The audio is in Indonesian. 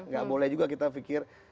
gak boleh juga kita pikir